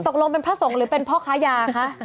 ตกลงเป็นพระสงฆ์หรือเป็นพ่อค้ายาคะ